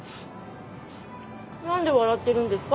何で笑ってるんですか？